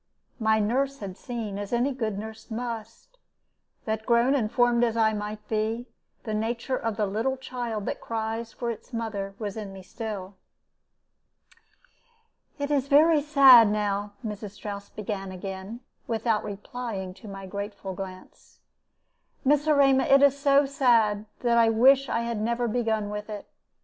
My nurse had seen, as any good nurse must, that, grown and formed as I might be, the nature of the little child that cries for its mother was in me still. "It is very sad now," Mrs. Strouss began again, without replying to my grateful glance; "Miss Erema, it is so sad that I wish I had never begun with it.